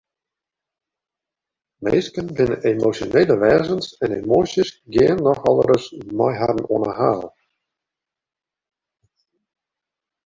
Minsken binne emosjonele wêzens en emoasjes geane nochal ris mei harren oan 'e haal.